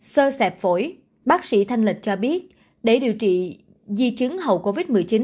sơ sẹp phổi bác sĩ thanh lịch cho biết để điều trị di chứng hậu covid một mươi chín